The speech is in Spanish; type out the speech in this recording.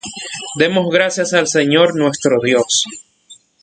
Demos gracias al Señor, nuestro Dios.